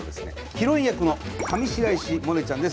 ヒロイン役の上白石萌音ちゃんです。